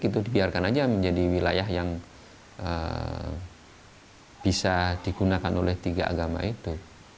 itu dibiarkan aja menjadi wilayah yang bisa digunakan oleh tiga agama itu